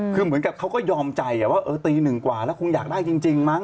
คือเหมือนกับเขาก็ยอมใจว่าเออตีหนึ่งกว่าแล้วคงอยากได้จริงมั้